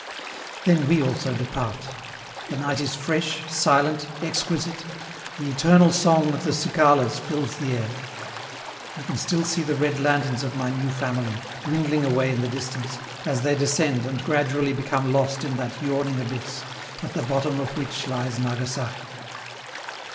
Then we also depart. The night is fresh, silent, exquisite, the eternal song of the cicalas fills the air. We can still see the red lanterns of my new family, dwindling away in the distance, as they descend and gradually become lost in that yawning abyss, at the bottom of which lies Nagasaki.